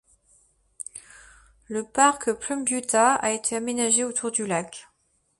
Le parc Plumbuita a été aménagé autour du lac.